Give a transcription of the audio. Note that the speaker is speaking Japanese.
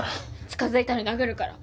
近づいたら殴るから。